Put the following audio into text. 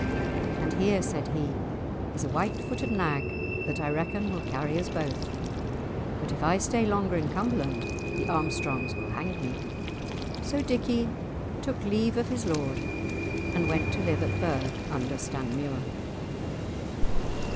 "And here," said he, "is a white footed nag that I reckon will carry us both. But if I stay longer in Cumberland the Armstrongs will hang me." So Dickie took leave of his lord and went to live at Burgh under Stanmuir.